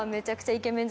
イケメン！